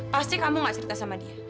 pasti kamu gak cerita sama dia